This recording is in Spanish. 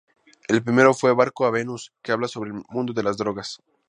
El primero fue "Barco a Venus", que habla sobre el mundo de las drogas.